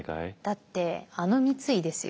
だってあの三井ですよ。